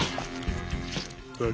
あ！